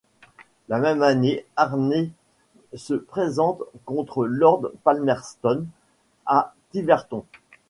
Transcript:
La même année, Harney se présente contre Lord Palmerston à Tiverton.